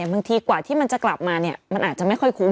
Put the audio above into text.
บางทีกว่าที่มันจะกลับมามันอาจจะไม่ค่อยคุ้ม